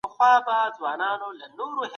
ځيني پوهان ورته نظري سياست وايي.